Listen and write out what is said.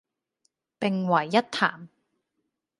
並為一談